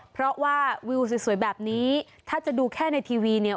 เพราะว่าวิวสวยแบบนี้ถ้าจะดูแค่ในทีวีเนี่ย